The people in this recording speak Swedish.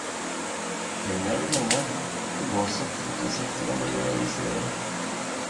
Pengar är pengar, oavsett vilken sektor man väljer att investera i.